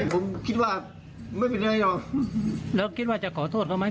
ผมคิดว่าไม่เป็นไรหรอกแล้วคิดว่าจะขอโทษเขาไหม